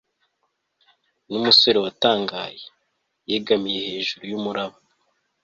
numusore watangaye, yegamiye hejuru yumuraba